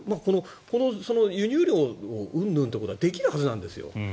輸入量うんぬんというのはできるはずなんですよ。